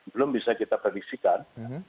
belum bisa kita prediksikan